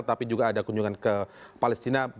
tapi juga ada kunjungan ke palestina